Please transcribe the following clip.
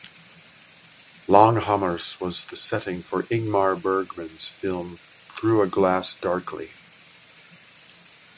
Langhammars was the setting for Ingmar Bergman's film Through a Glass Darkly.